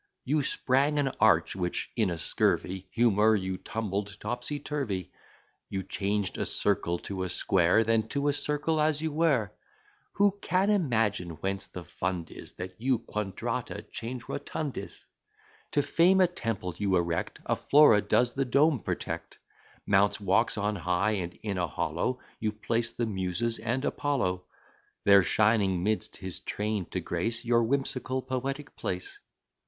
You sprang an arch which, in a scurvy Humour, you tumbled topsy turvy. You change a circle to a square, Then to a circle as you were: Who can imagine whence the fund is, That you quadrata change rotundis? To Fame a temple you erect, A Flora does the dome protect; Mounts, walks, on high; and in a hollow You place the Muses and Apollo; There shining 'midst his train, to grace Your whimsical poetic place.